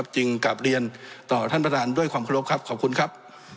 จึงกลับเรียนต่อท่านประธานด้วยความเคารพครับขอบคุณครับ